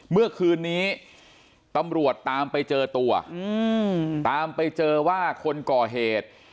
เมื่อคืนนี้ตำรวจตามไปเจอตัวตามไปเจอว่าคนก่อเหตุ